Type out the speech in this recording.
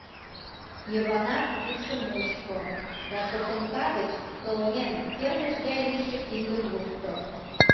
Йыванат кидшым мушко да котомка гыч, кылмен, кермыч гай лийше киндым лукто.